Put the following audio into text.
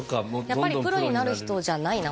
やっぱりプロになる人じゃないな